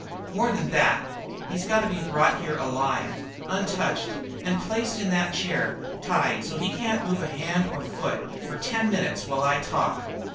"More than that. He's got to be brought here alive, untouched, and placed in that chair tied so that he can't move hand or foot for ten minutes while I talk."